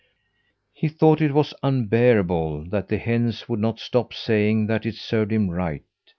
He thought it was unbearable that the hens would not stop saying that it served him right.